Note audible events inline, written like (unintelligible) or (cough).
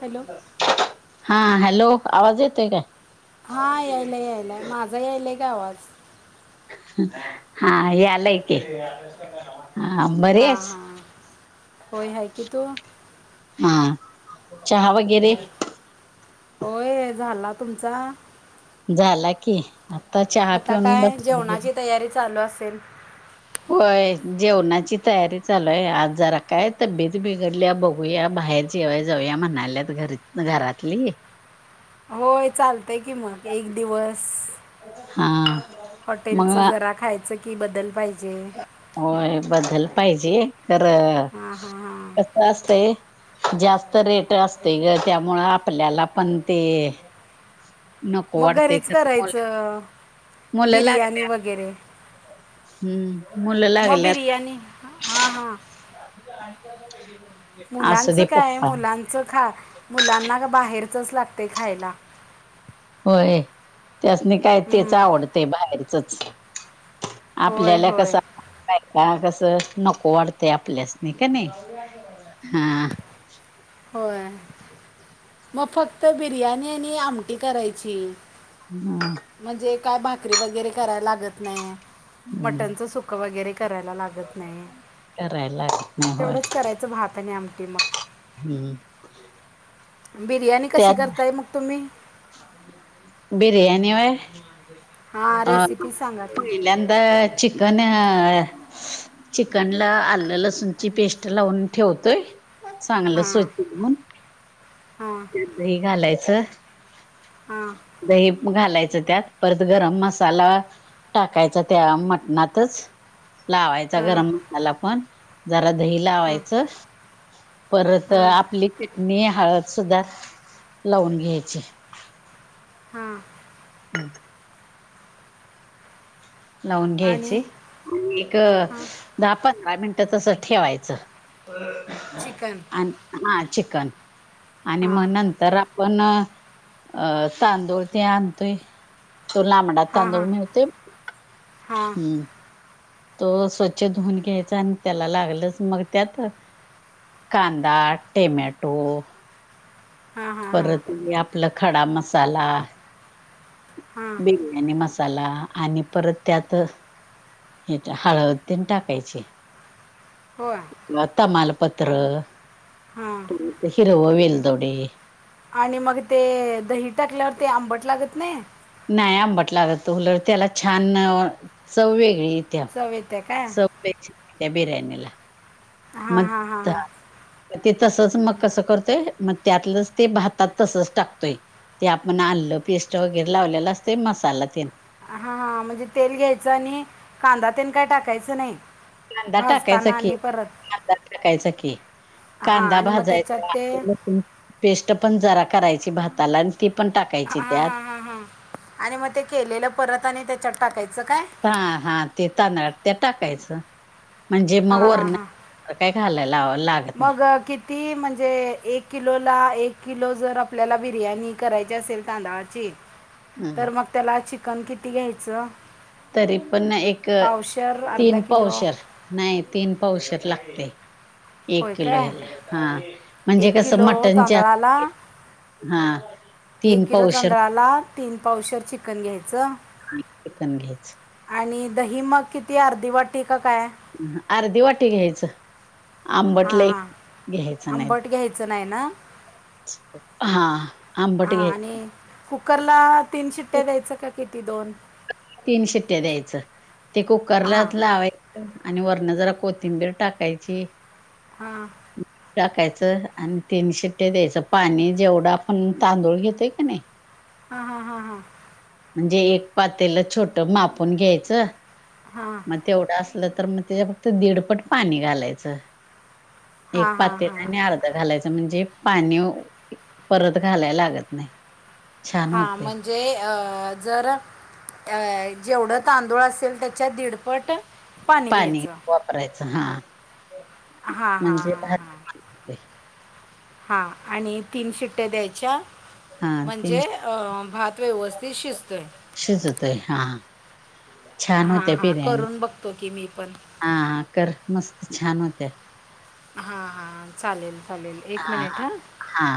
Hello हा, hello! आवाज येतोय काय? हा यायला, यायलाय माझा यायलाय का आवाज? हा यायलाय की. हा बरी हा, आहेस हा होयहाय की तु हा, चहा वगै होय झाला तुमचा? झाला की, आता चहा आता पिऊन काय बसलोय. जेवणाची तयारी चालू असेल. होय जेवणाची तयारी चालूये, आज जरा काय तब्येत बिघडल्या बघुया बाहेर जेवायला जाऊया म्हणाल्यात, घरी घरातली. होय चालतंय की मग, एक दिवस. हा हॉटेलच मग जरा खायचं कि, बदल पाहिजे. होय बदल पाहिजे, खरं हा हा हा. असतय जास्त रेट असतय ग त्यामुळ आपल्याला पण ते नको मग वाटतय. घरीच करायचं मुलं लाग बिर्याणी वगैरे हम्म. मुलं मग लागल्यात बिर्याणी हां हां असू दे पप्पा च खा मुलांना बाहेरचच लागतय खायला होय. त्यासनी काय तेच हम्म. आवडतय बाहेरचच. होय आपल्याला होय कस का का कसं नको वाढतंय आपल्यासनी कणी? हा. होय. मग फक्त बिर्याणी आणि आमटी करायची. हा. म्हणजे काय भाकरी वगैरे करायला लागत नाही. मटणचं सुप क वगैरे करायला लागत नाही. करायला लागत नाही होय तेवढंच करायचं भात आणि आमटी मग हम्म. बिर्याणी कशी त्यात करताय मग तुम्ही? बिर्याणी व्हय? हां अ रेसिपी सांगा की पहिल्यांदा चिकन चिकन ला आलं, लसूणची पेस्ट लावून ठेवतोय. चांगलं हां स्वच्छ धुऊन हां त्यात दही घालायचं. हा. दही घालायचं त्यात परत गरम मसाला टाकायचा त्या मटणातच. लावायचा हां गरम मसाला पण जरा दही हां लावायचं परत हां आपली चिटणी, हळद सुद्धा लावून घ्यायची. हा. हम्म. लावून आणि घ्यायची. एक हां दहा, पंधरा मिनिटं तस ठेवायचं. चिकन हा चिकन आणि हां मग नंत तर आपण अ तांदूळ ते आणतोय. तो मडा तांदूळ मिळतोय हा. हम्म, तो स्वच्छ धुऊन घ्यायचा आणि त्याला लागलच मग त्यात कांदा, टमॅटो हा हा. परत आपलं खडा मसाला हां बिर्याणी मसाला आणि परत त्यात हे हळद तेन टाकायची. होय. मालपत्र, हां हिरवं वेलदोडे आणि मग ते दही टाकल्यावर ते आंबट लागत नाही. नाही आंबट लागत. त उलट त्याला छान चव वेगळी यित्या. चव येते काय चव त्या (unintelligible) बिर्याणीला. हां मग हां हां ते तसच हां मग कसं करतोय? मग त्यातलंच ते भातात तसच टाकतोय. ते आपण आलं पेस्ट वगैरे लावलेलं असतय मसाला ते हा हा. म्हणजे तेल घ्यायचं आणि कांदा तेन काही टाकायचं नाही? कांदा टाकायचा भाजताना की आणि परत कांदा टाकायचा की. हां कांदा आणि मग त्याच्यात ते भाजायचा पेस्ट पण जरा करायची भाताला आणि ती पण टाकायची हां त्यात. हां हां हां आणि मग ते केलेलं परत आणि त्याच्यात टाकायचं काय? हा हा ते तांदळात ते टाकायचं म्हणजे हां मग वर हां न- हां काय घालाय लाव लाग- मग किती- ती म्हणजे एक किलो ला एक किलो जर आपल्याला बिर्याणी करायची असेल तांदळाची- ह तर मग त्याला चिकन किती घ्यायचं? तरी पण ना एक पावशर अर्धा तीन किलो पावशेर, नाही तीन पावशेर लागते. एक होय किलो काय ह्याला हा म्हणजे एक कसं किलो मटणचे- तांदळाला हा तीन एक किलो पावशेर- तांदळाला तीन पावशर चिकन घ्यायचं. आणि पण घ्यायच. आणि दही मग किती अर्धी वाटी का काय? अर्धी वाटी घ्यायचं आंबट हां लई हां घ्यायचं नाही. आंबट घ्यायचं नाही ना? हा आंबट हां घ्याय- आणि कुकरला तीन शिट्ट्या द्यायच का किती दोन- तीन शिट्ट्या द्यायचं ते कुकरला हां लावाय- आणि वरण जरा कोथिंबीर टाकायची. हां. टाकायचं आणि तीन शिट्टे द्यायचं पाणी जेवढं आपण तांदूळ घेतोय का नाही- हा हा हा हां. म्हणजे एक पातेल छोट मापून घ्यायचं. हा. मग तेवढं असलं तर मग त्याच्या फक्त दीडपट पाणी घालायचं एक हां हां पातेल हां आणि अर्ध. घालायचं म्हणजे पाणी परत घालाय लागत नाही. छान हां होते म- जे जर जेवढं तांदूळ असेल त्याच्यात दीडपट- पाणी वापरायचं हा. हा हा हा म्हणजे हा. भात होते हा आणि तीन शिट्ट्या द्यायच्या. हा तीन म्हणजे भात व्यवस्थित शिजतोय. शिजतोय हा छान हा होत्या हा बिर्याणी करून बघतो की मी पण- हा कर मस्त छान होत्या. हां हां चालेल चालेल एक हा मिनिट हां. हा.